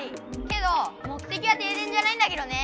けど目的は停電じゃないんだけどね。